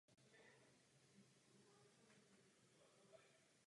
Narodil se v Rich Square v Severní Karolíně.